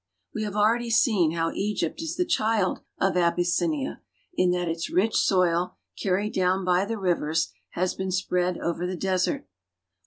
We have already seen how Egypt is the child of Abys aiiiia in that its rich soil, carried down by the rivers, has been spread over the desert.